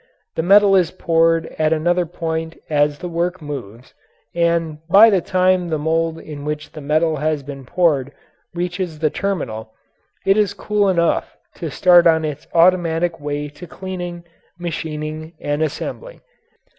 The metal is poured at another point as the work moves, and by the time the mould in which the metal has been poured reaches the terminal, it is cool enough to start on its automatic way to cleaning, machining, and assembling.